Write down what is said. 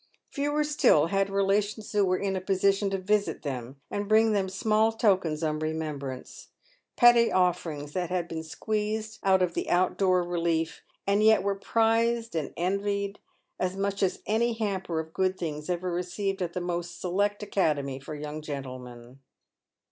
.Fewer still had relations who were in a position to visit them, and bring them small tokens of remembrance — petty offerings that had been squeezed out of the out door relief, and yet were prized and envied as much as any hamper of good things ever received at the most " select" academy for young gentlemen.